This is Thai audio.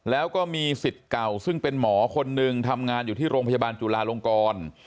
แล้วก็มีสิทธิ์เก่าซึ่งเป็นหมอคนหนึ่งทำงานอยู่ที่โรงพยาบาลจุลาลงกร